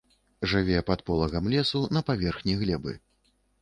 Жыве пад полагам лесу на паверхні глебы.